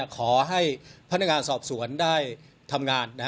ขอให้พนักงานสอบสวนได้ทำงาน